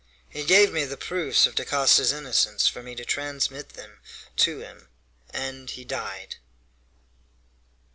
He gave me the proofs of Dacosta's innocence for me to transmit them to him, and he died."